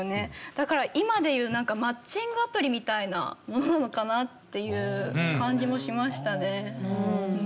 だから今でいうなんかマッチングアプリみたいなものなのかなっていう感じもしましたね。